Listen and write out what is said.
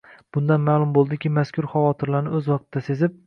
Bundan ma’lum bo‘ladiki, mazkur – xavotirlarni o‘z vaqtida sezib